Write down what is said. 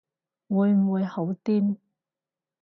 會唔會好癲